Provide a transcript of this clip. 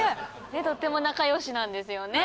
とっても仲良しなんですよね。